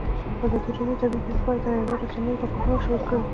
ازادي راډیو د طبیعي پېښې په اړه د نړیوالو رسنیو راپورونه شریک کړي.